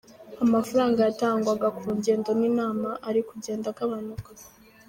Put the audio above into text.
Amafaranga yatangwaga ku ngendo n’inama ari kugenda agabanuka.